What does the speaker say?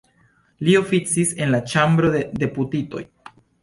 Li oficis en la Ĉambro de Deputitoj.